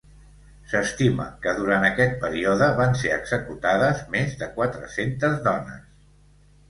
S'estima que durant aquest període van ser executades més de quatre-centes dones.